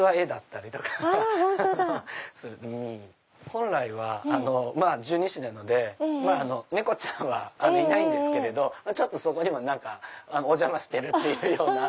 本来は十二支なので猫ちゃんはいないんですけどそこにもお邪魔してるっていうような。